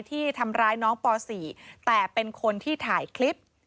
ที่ทำร้ายน้องป๔แต่เป็นคนที่ถ่ายคลิป